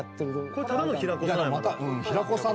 これただの平子さん。